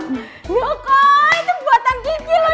nyokoy itu buatan kiki loh